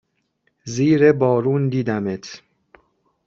زیر بارون دیدمت